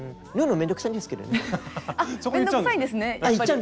面倒くさいんですね。